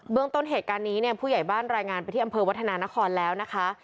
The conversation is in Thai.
ต้นเหตุการณ์นี้เนี่ยผู้ใหญ่บ้านรายงานไปที่อำเภอวัฒนานครแล้วนะคะ